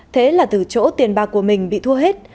thế là từ chỗ tiền bạc của mình bị thua hết